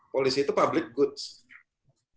polisi itu makanan publik